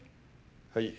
はい。